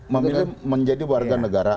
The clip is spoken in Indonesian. memilih menjadi warga negara